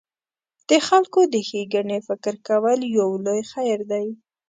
د خلکو د ښېګڼې فکر کول یو لوی خیر دی.